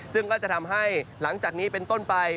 ซึ่งก็จะทำให้หลังจากนี้เป็นต้นไป